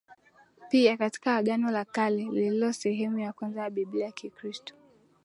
pia katika Agano la Kale lililo sehemu ya kwanza ya Biblia ya Kikristo